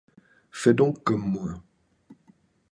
Fais donc comme moi.